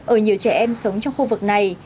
ở nhiều trẻ em sống trong khu vực này